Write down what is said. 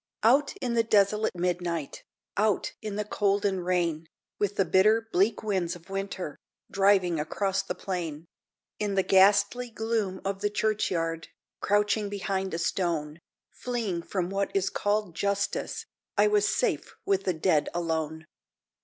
Out in the desolate midnight, Out in the cold and rain, With the bitter, bleak winds of winter Driving across the plain In the ghastly gloom of the churchyard, Crouching behind a stone, Fleeing from what is called Justice, I was safe with the dead alone.